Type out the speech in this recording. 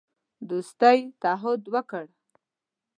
دوستی تعهد وکړ.